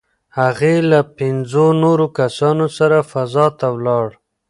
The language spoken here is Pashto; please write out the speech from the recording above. هغې له پنځو نورو کسانو سره فضا ته ولاړه.